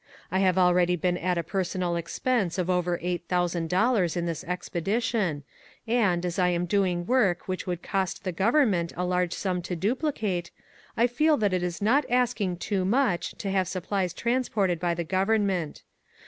I have already been at a personal ex pense of over $8,000 on this expedition, and, as I am doing work which would cost the government a large sum to duplicate, I feel that it is not asking too much to have supplies transported by the government.